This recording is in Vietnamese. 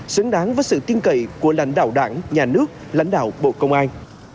xứng đáng với sự tiên cậy của lãnh đạo đảng nhà nước lãnh đạo bộ công an